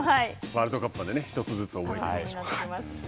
ワールドカップまで１つずつ覚えましょう。